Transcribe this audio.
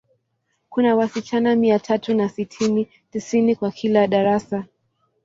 Kuna wasichana mia tatu na sitini, tisini kwa kila darasa.